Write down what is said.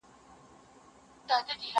که وخت وي، کتابتون ته راځم.